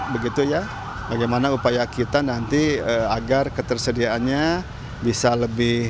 begitu ya bagaimana upaya kita nanti agar ketersediaannya bisa lebih